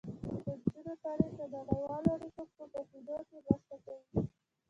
د نجونو تعلیم د نړیوالو اړیکو په پوهیدو کې مرسته کوي.